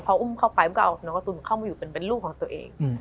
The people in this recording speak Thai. พออุ้มเข้าไปมันก็เอาน้องการ์ตูนเข้ามาอยู่เป็นลูกของตัวเอง